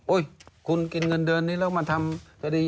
คุณกินเงินเดือนนี้แล้วมาทำคดี